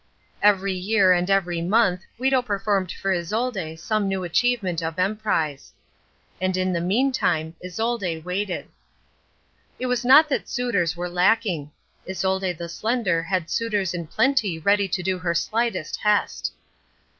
Every year and every month Guido performed for Isolde some new achievement of emprise. And in the meantime Isolde waited. It was not that suitors were lacking. Isolde the Slender had suitors in plenty ready to do her lightest hest.